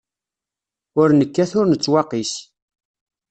Ur nekkat ur nettwaqis.